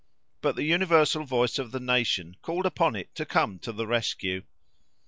But the universal voice of the nation called upon it to come to the rescue.